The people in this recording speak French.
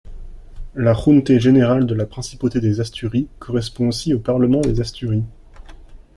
La Junte générale de la principauté des Asturies correspond ainsi au parlement des Asturies.